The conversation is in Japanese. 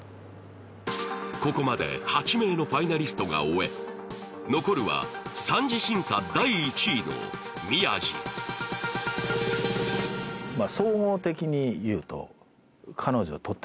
ここまで８名のファイナリストが終え残るは三次審査第１位の宮治えっ！